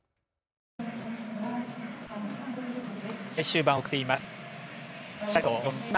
最終盤を迎えています。